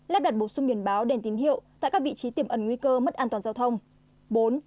lắp đặt bổ sung biển báo đèn tín hiệu tại các vị trí tiềm ẩn nguy cơ mất an toàn giao thông